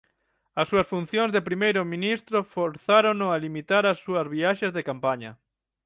As súas funcións de primeiro ministro forzárono a limitar as súas viaxes de campaña.